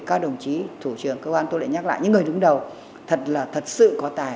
các đồng chí thủ trưởng cơ quan tôi lại nhắc lại những người đứng đầu thật là thật sự có tài